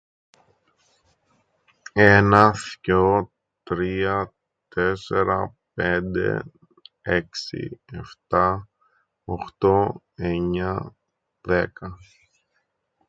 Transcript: Έναν, θκυο, τρία, τέσσερα, πέντε, έξι, εφτά, οχτώ, εννιά, δέκα.